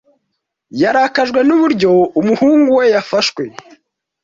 Yarakajwe n'uburyo umuhungu we yafashwe.